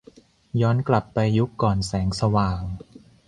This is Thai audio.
ย้อนกลับไปยุคก่อนแสงสว่าง